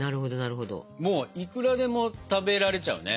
もういくらでも食べられちゃうね。